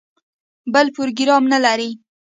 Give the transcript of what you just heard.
بل پروګرام نه لري.